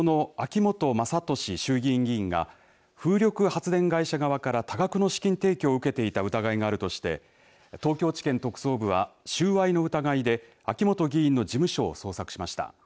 自民党の秋本真利衆議院議員が風力発電会社側から多額の資金提供を受けていた疑いがあるとして東京地検特捜部は収賄の疑いで秋本議員の事務所を捜索しました。